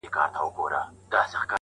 هم د زور او هم د زرو څښتنان وه!.